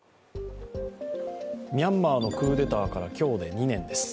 ミャンマーのクーデターから今日で２年です。